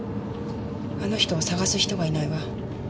あの人を捜す人がいないわ。